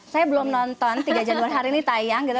saya belum nonton tiga januari hari ini tayang gitu